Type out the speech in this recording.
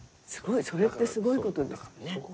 それってすごいことですよね。